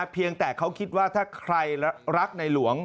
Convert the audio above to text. เพียงแต่เขาคิดว่าถ้าใครรักในหลวง